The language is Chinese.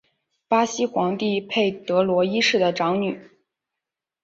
巴西皇帝佩德罗一世的长女。